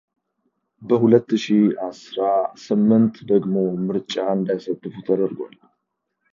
በ ሁለት ሺ አስራ ስምንት ደግሞ ምርጫ እንዳይሳተፉ ተደርጓል።